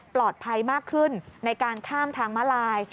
ปลอดภัยมากขึ้นในการข้ามทางมาลาย